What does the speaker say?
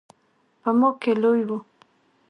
په ما کې لوی و.